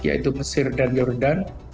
yaitu mesir dan jordan